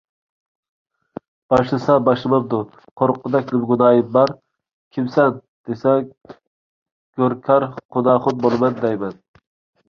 باشلىسا باشلىمامدۇ، قورققۇدەك نېمە گۇناھىم بار. «كىمسەن؟» دېسە، «گۆركار قۇناخۇن بولىمەن» دەيمەن...